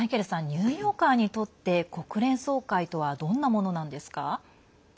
ニューヨーカーにとって国連総会とはどんなものなんですか？